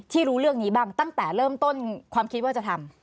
รู้เรื่องนี้บ้างตั้งแต่เริ่มต้นความคิดว่าจะทำ